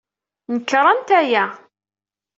Nekṛent aya.